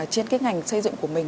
trên cái ngành xây dựng của mình